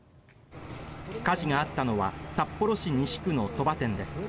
火事があったのは札幌市西区のそば店です。